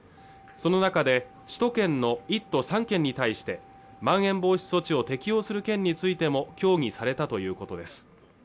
その中で首都圏の１都３県に対してまん延防止措置を適用する件についても協議されたということです